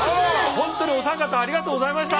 本当にお三方ありがとうございました。